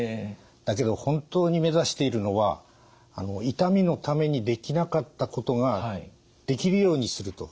だけど本当にめざしているのは「痛みのためにできなかったこと」が「できるようになること」だと思うんです。